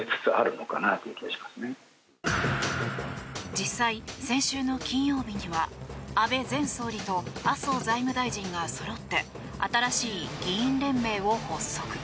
実際、先週の金曜日には安倍前総理と麻生財務大臣がそろって新しい議員連盟を発足。